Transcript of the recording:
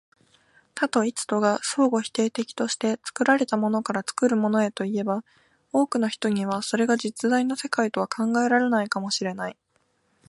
多と一とが相互否定的として、作られたものから作るものへといえば、多くの人にはそれが実在の世界とは考えられないかも知れない。